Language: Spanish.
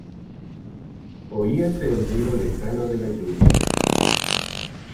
Oíase el ruido lejano de la lluvia.